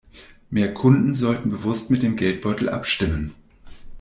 Mehr Kunden sollten bewusst mit dem Geldbeutel abstimmen.